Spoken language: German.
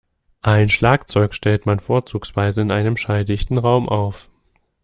Ein Schlagzeug stellt man vorzugsweise in einem schalldichten Raum auf.